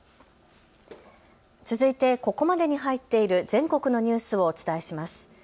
続いてここまでに入っている全国のニュースをお伝えします。